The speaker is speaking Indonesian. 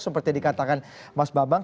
seperti yang dikatakan mas bambang